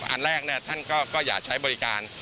อันแรกท่านก็อย่าใช้บริการ